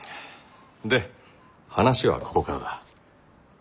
で話はここからだ。